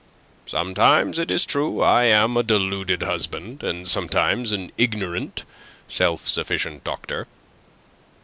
Sometimes, it is true, I am a deluded husband, and sometimes an ignorant, self sufficient doctor.